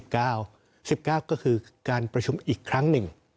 ก็คือการประชุมอีกครั้งหนึ่ง